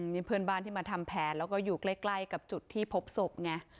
นี่เพื่อนบ้านที่มาทำแผนแล้วก็อยู่ใกล้กับจุดที่พบศพไง